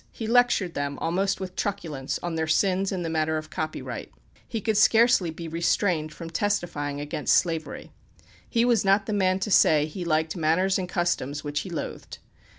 He lectured them almost with truculence on their sins in the matter of copyright; he could scarcely be restrained from testifying against slavery; he was not the man to say he liked manners and customs which he loathed.